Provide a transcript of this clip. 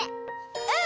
うん！